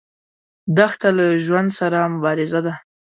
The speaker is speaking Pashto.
دښته له ژوند سره مبارزه ده.